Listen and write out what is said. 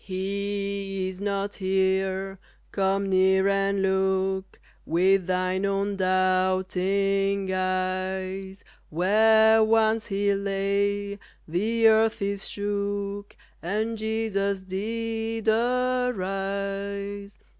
"He is not here, come near and look With thine own doubting eyes, Where once He lay the earth is shook And Jesus did arise."